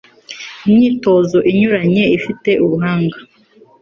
Imyitozo inyuranye ifite ubuhanga